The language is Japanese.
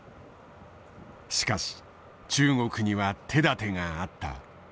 しかし中国には手だてがあった。